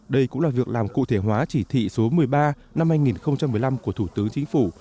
đây cũng là việc làm cụ thể hóa chỉ thị số một mươi ba năm hai nghìn một mươi năm của thủ tướng chính phủ